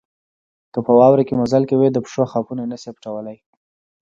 که په واوره کې مزل کوئ د پښو خاپونه نه شئ پټولای.